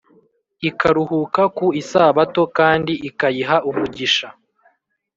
ikaruhuka ku Isabato kandi ikayiha umugisha